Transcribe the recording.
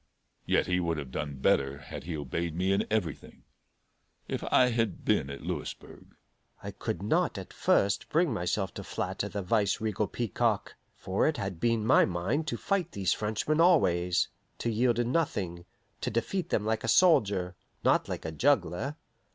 Yet he would have done better had he obeyed me in everything. If I had been at Louisburg " I could not at first bring myself to flatter the vice regal peacock; for it had been my mind to fight these Frenchmen always; to yield in nothing; to defeat them like a soldier, not like a juggler.